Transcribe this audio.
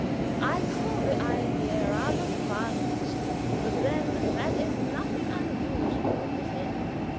I call the idea rather far fetched, but then that is nothing unusual with him."